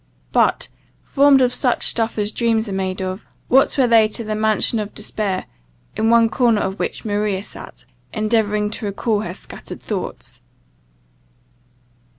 But, formed of such stuff as dreams are made of, what were they to the mansion of despair, in one corner of which Maria sat, endeavouring to recall her scattered thoughts!